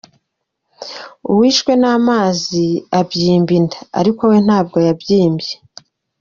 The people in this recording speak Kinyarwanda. Uwishwe n’ amazi abyimba inda, ariko we ntabwo yabyimbye.